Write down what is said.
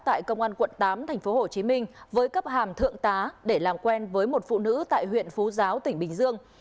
tại công an quận tám tp hcm với cấp hàm thượng tá để làm quen với một phụ nữ tại huyện phú giáo tỉnh bình dương